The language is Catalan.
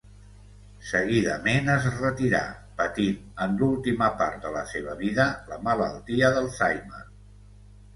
Seguidament es retirà, patint en l'última part de la seva vida la malaltia d'Alzheimer.